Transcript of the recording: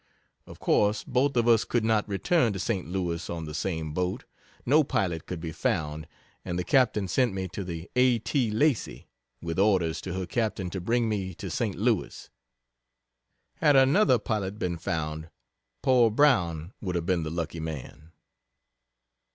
Of course both of us could not return to St. Louis on the same boat no pilot could be found, and the Captain sent me to the A. T. Lacey, with orders to her Captain to bring me to Saint Louis. Had another pilot been found, poor Brown would have been the "lucky" man.